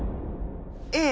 ええ。